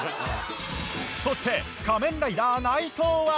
そして仮面ライダー内藤は。